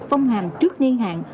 phong hàm trước nghiên hạn